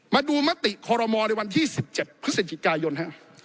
มาดูมติคอรมอลในวันที่๑๗พฤศจิกายนฮะ